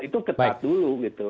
itu ketat dulu gitu